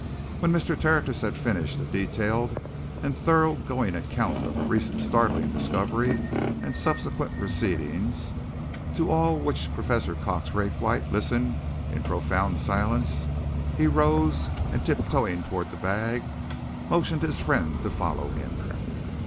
When Mr. Tertius had finished a detailed and thorough going account of the recent startling discovery and subsequent proceedings, to all of which Professor Cox Raythwaite listened in profound silence, he rose, and tip toeing towards the bag, motioned his friend to follow him.